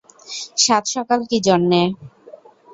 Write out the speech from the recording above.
সাত-সকাল কী জন্যে?